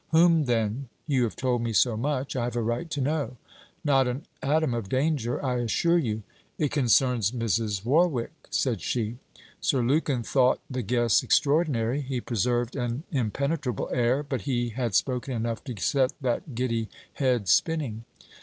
'Whom, then? You have told me so much I have a right to know.' 'Not an atom of danger, I assure you?' 'It concerns Mrs. Warwick!' said she. Sir Lukin thought the guess extraordinary. He preserved an impenetrable air. But he had spoken enough to set that giddy head spinning.